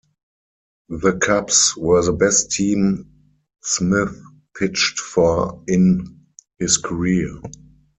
The Cubs were the best team Smith pitched for in his career.